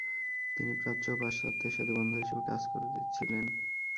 তিনি প্রাচ্য ও পাশ্চাত্যের সেতুবন্ধ হিসেবে কাজ করেছিলেন।